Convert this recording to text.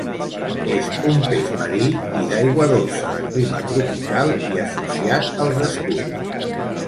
És un peix marí i d'aigua dolça, de clima tropical i associat als esculls.